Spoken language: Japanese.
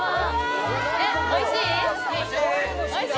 おいしい！